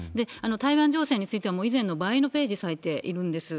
台湾情勢についてはもう以前の倍のページ割いているんです。